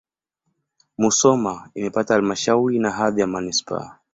Musoma imepata halmashauri na hadhi ya manisipaa.